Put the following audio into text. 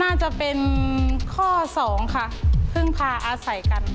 น่าจะเป็นข้อสองค่ะพึ่งพาอาศัยกัน